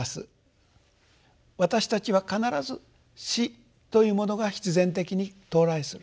私たちは必ず「死」というものが必然的に到来する。